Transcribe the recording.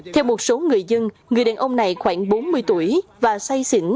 theo một số người dân người đàn ông này khoảng bốn mươi tuổi và say xỉn